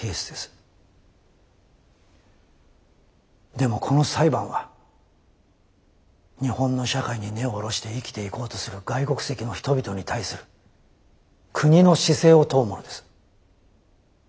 でもこの裁判は日本の社会に根を下ろして生きていこうとする外国籍の人々に対する国の姿勢を問うものです。